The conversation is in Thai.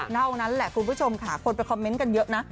เท่านั้นแหละคุณผู้ชมค่ะคนไปคอมเมนต์กันเยอะนะ